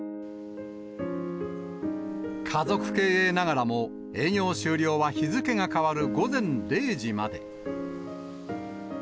家族経営ながらも、営業終了は日付が変わる午前０時まで。